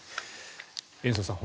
延増さん